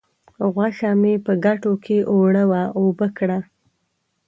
غوښه مې په کټو کې اوړه و اوبه کړه.